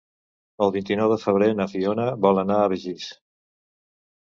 El vint-i-nou de febrer na Fiona vol anar a Begís.